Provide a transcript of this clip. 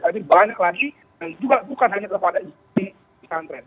tapi banyak lagi yang juga bukan hanya terhadap institusi antret